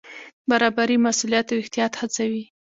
برابري مسوولیت او احتیاط هڅوي.